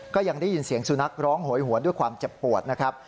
ก็ยังได้ยินเสียงสุนัขร้องโหยหวนด้วยความเจ็บปวดนะครับ